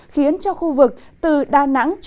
khiến cho khu vực từ đà nẵng